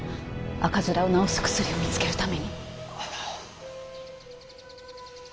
赤面を治す薬を見つけるために。